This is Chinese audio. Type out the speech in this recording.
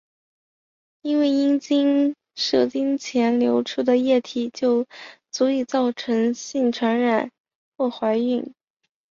因为阴茎射精前流出的液体就足以造成性病传染或怀孕。